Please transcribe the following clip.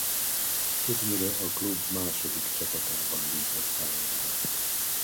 Többnyire a klub második csapatában lépett pályára.